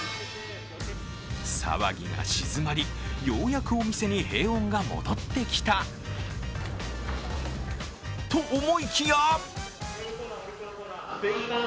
騒ぎが静まり、ようやくお店に平穏が戻ってきたと思いきや！